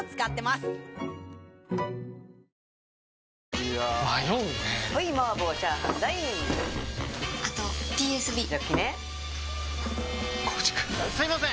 すいません！